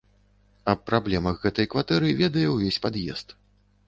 Аб праблемах гэтай кватэры ведае ўвесь пад'езд.